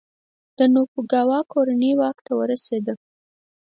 د توکوګاوا کورنۍ واک ته ورسېده.